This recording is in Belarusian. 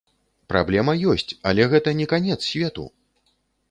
Праблема ёсць, але гэта не канец свету!